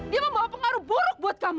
dia membawa pengaruh buruk buat kami